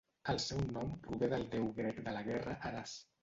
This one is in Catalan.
El seu nom prové del déu grec de la guerra Ares.